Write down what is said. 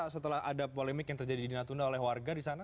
setelah ada polemik yang terjadi di natuna oleh warga di sana